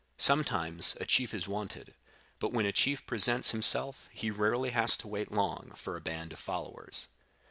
Sometimes a chief is wanted, but when a chief presents himself he rarely has to wait long for a band of followers.